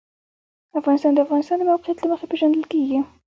افغانستان د د افغانستان د موقعیت له مخې پېژندل کېږي.